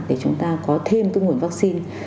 để chúng ta có thêm cái nguồn vaccine